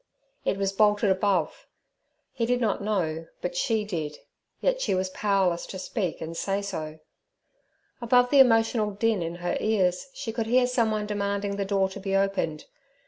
It was bolted above; he did not know, but she did, yet she was powerless to speak and say so. Above the emotional din in her ears she could hear someone demanding the door to be opened.